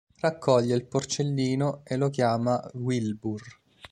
Raccoglie il porcellino e lo chiama "Wilbur".